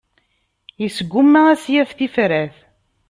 Yesguma ad s-yaf tifrat.